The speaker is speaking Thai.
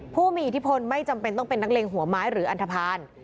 ผู้มีอิทธิพลไม่จำเป็นต้องเป็นนักเลงหัวไม้หรืออันทภาณ